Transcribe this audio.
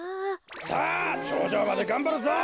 さあちょうじょうまでがんばるぞ！